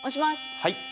はい。